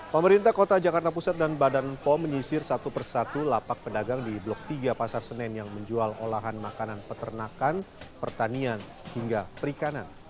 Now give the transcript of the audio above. pemerintah kota jakarta pusat dan badan pom menyisir satu persatu lapak pedagang di blok tiga pasar senen yang menjual olahan makanan peternakan pertanian hingga perikanan